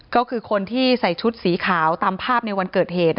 ก็คือคนที่ใส่ชุดสีขาวตามภาพในวันเกิดเหตุ